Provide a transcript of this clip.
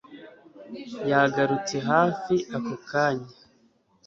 yagarutse hafi ako kanya